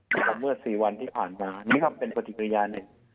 เมื่อสี่วันที่ผ่านมานี่ก็เป็นปฏิกิริยาหนึ่ง